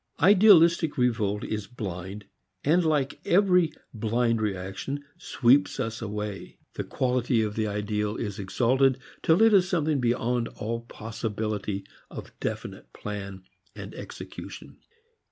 Idealistic revolt is blind and like every blind reaction sweeps us away. The quality of the ideal is exalted till it is something beyond all possibility of definite plan and execution.